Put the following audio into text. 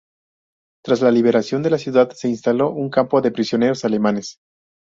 Tras la liberación de la ciudad se instaló un campo de prisioneros alemanes.